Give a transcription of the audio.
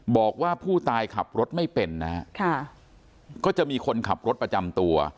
บอกว่าผู้ตายขับรถไม่เป็นนะฮะค่ะก็จะมีคนขับรถประจำตัว